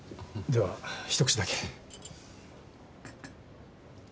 ではひと口だけ。